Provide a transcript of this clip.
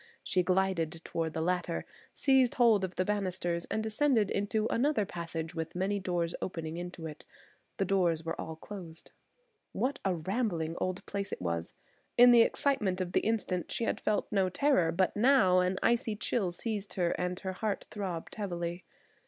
She glided toward the latter, seized hold of the banisters, descended into another passage with many doors opening into it. The doors were all closed. What a rambling old place it was. In the excitement of the instant she had felt no terror, but now an icy chill seized her and her heart throbbed heavily.